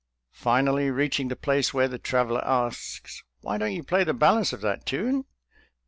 Finally, reaching the place where the traveler asks, "Why don't you play the balance of that tune?